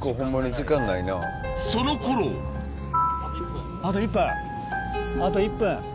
その頃あと１分あと１分。